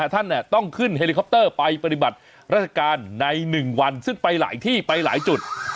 ท่านต้องขึ้นเฮลิคอปเตอร์ไปปฏิบัติราชการใน๑วันซึ่งไปหลายที่ไปหลายจุด